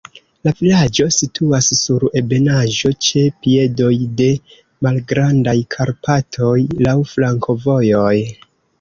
La vilaĝo situas sur ebenaĵo ĉe piedoj de Malgrandaj Karpatoj, laŭ flankovojoj.